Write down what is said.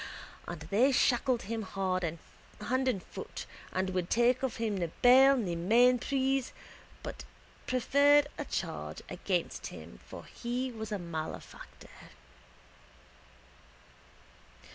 And they shackled him hand and foot and would take of him ne bail ne mainprise but preferred a charge against him for he was a malefactor.